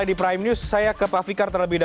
nanti saya juga akan ke pafikan untuk menerahkan